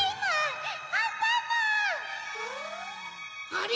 あれ？